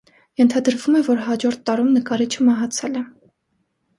Ենթադրվում է, որ հաջորդ տարում նկարիչը մահացել է։